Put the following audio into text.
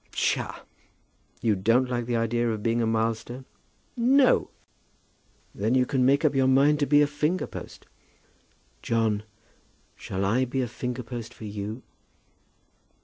"Psha!" "You don't like the idea of being a milestone." "No!" "Then you can make up your mind to be a finger post." "John, shall I be a finger post for you?"